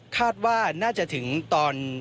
คาดว่าน่าจะถึงตอน